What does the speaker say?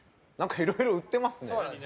いろいろ売ってますね。